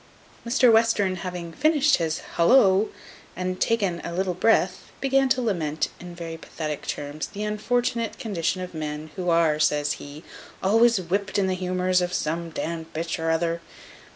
Mr Western having finished his holla, and taken a little breath, began to lament, in very pathetic terms, the unfortunate condition of men, who are, says he, "always whipt in by the humours of some d n'd b or other.